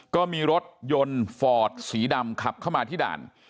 ก็มีรถยนต์ฟอร์ดสีดำขับเข้ามาที่ด่าน